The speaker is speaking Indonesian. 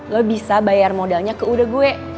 lo bisa bayar modalnya ke uda gue